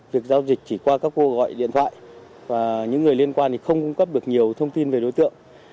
việc giao dịch chỉ qua các cuộc gọi điện thoại và những người liên quan thì không cung cấp được nhiều thông tin về đối tượng